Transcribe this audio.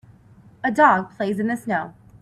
A dog plays in the snow.